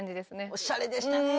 おしゃれでしたね。